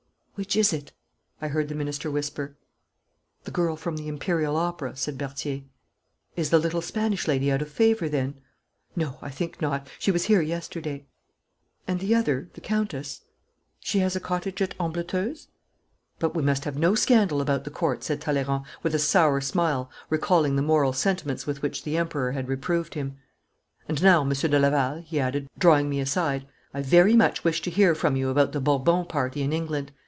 'Which is it?' I heard the minister whisper. 'The girl from the Imperial Opera,' said Berthier. 'Is the little Spanish lady out of favour then?' 'No, I think not. She was here yesterday.' 'And the other, the Countess?' 'She has a cottage at Ambleteuse.' 'But we must have no scandal about the Court,' said Talleyrand, with a sour smile, recalling the moral sentiments with which the Emperor had reproved him. 'And now, Monsieur de Laval,' he added, drawing me aside, 'I very much wish to hear from you about the Bourbon party in England.